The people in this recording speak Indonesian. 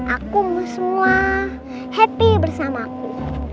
aku semua happy bersamaku